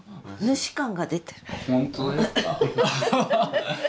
本当ですか？